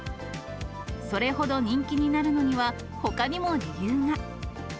それほど人気になるのには、ほかにも理由が。